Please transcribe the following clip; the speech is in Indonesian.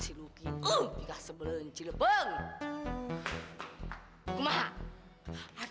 jatuh liat pelitangnya